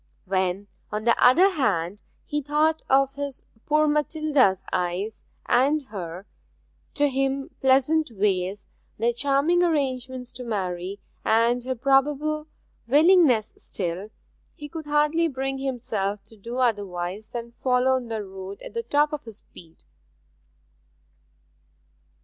When, on the other hand, he thought of his poor Matilda's eyes, and her, to him, pleasant ways, their charming arrangements to marry, and her probable willingness still, he could hardly bring himself to do otherwise than follow on the road at the top of his speed.